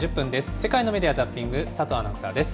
世界のメディア・ザッピング、佐藤アナウンサーです。